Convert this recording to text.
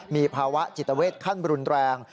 มีภาวะจิตเวทขั้นรุนแรง